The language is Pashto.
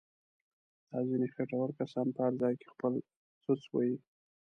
دا ځنیې خېټور کسان په هر ځای کې خپل څوس وهي.